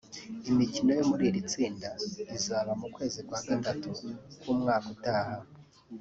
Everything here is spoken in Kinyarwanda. Imikino yo muri iti tsinda izaba mu kwezi kwa Gatatu w’umwaka utaha